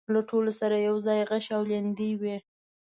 له ټولو سره يواځې غشي او ليندۍ وې.